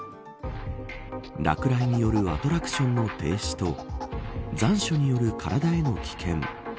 落雷によるアトラクションの停止と残暑による体への危険。